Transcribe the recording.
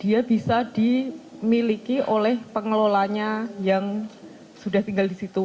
dia bisa dimiliki oleh pengelolanya yang sudah tinggal di situ